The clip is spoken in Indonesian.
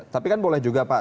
tapi kan boleh juga pak